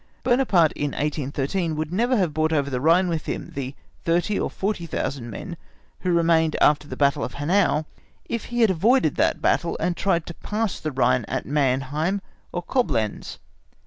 Buonaparte in 1813 would never have brought over the Rhine with him the 30,000 or 40,000 men who remained after the battle of Hanau,(*) if he had avoided that battle and tried to pass the Rhine at Mannheim or Coblenz.